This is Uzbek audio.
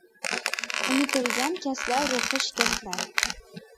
unutilgan kaslar, ruhi shikastlar.